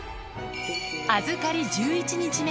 預かり１１日目。